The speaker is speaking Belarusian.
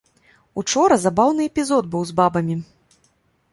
Учора забаўны эпізод быў з бабамі.